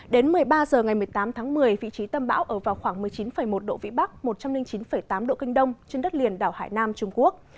đến một mươi ba h ngày một mươi tám tháng một mươi vị trí tâm bão ở vào khoảng một mươi chín một độ vĩ bắc một trăm linh chín tám độ kinh đông trên đất liền đảo hải nam trung quốc